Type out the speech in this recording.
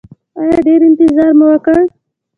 ایا ډیر انتظار مو وکړ؟